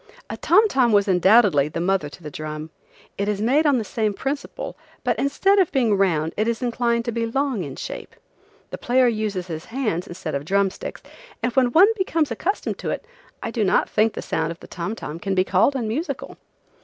A tom tom was undoubtedly the mother to the drum. It is made on the same principle, but instead of being round is inclined to be long in shape, The player uses his hands instead of drum sticks, and when one becomes accustomed to it I do not think the sound of a tom tom can be called unmusical.